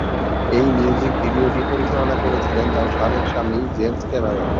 এই মিউজিক ভিডিওটি পরিচালনা করেছিলেন তার সাবেক স্বামী জেমস ক্যামেরন।